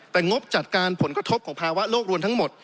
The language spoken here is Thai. แต่งบจัดการผลกระทบของภาวะโลกรวมทั้งหมด